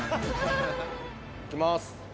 行きます。